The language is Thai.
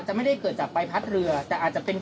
ส่งไปตรวจพิสูจน์กับนิตจิเวทย์